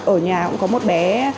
ở nhà cũng có một bé